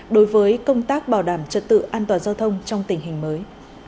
đối với công tác bảo đảm trật tự an toàn giao thông trong tình hình mới